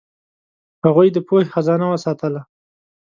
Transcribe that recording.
هغوی د پوهې خزانه وساتله.